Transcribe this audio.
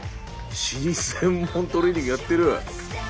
尻専門トレーニングやってる。